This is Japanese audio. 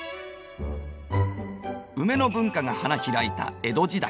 ウメの文化が花開いた江戸時代